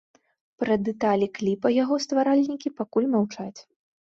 Пра дэталі кліпа яго стваральнікі пакуль маўчаць.